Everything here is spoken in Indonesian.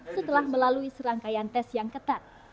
setelah melalui serangkaian tes yang ketat